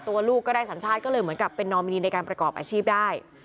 ลูกก็ได้สัญชาติก็เลยเหมือนกับเป็นนอมินีในการประกอบอาชีพได้